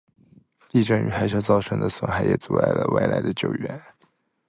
地震与海啸造成的损毁也阻碍了外来的救援。